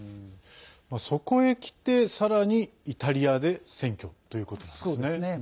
そこへきて、さらにイタリアで選挙ということなんですね。